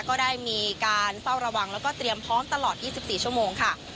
ก็ได้มีการเฝ้าระวังแล้วก็เตรียมพร้อมตลอด๒๔ชั่วโมงค่ะ